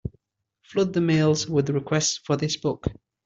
Flood the mails with requests for this book.